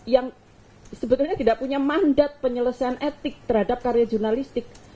yang sebetulnya tidak punya mandat penyelesaian etik terhadap karya jurnalistik